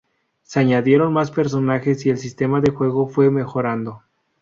Se añadieron más personajes y el sistema de juego fue mejorado.